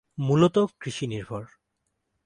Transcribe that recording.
মূলতঃ কৃষি নির্ভর।